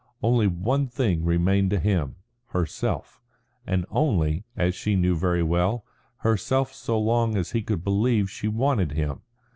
Only one thing remained to him herself, and only, as she knew very well, herself so long as he could believe she wanted him.